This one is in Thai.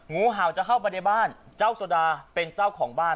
งูเห่าจะเข้าไปในบ้านเจ้าโซดาเป็นเจ้าของบ้าน